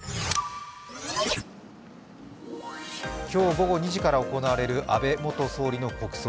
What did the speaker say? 今日午後２時から行われる安倍元総理の国葬。